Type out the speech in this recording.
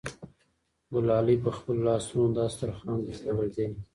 ګلالۍ په خپلو لاسونو دا دسترخوان ګنډلی دی.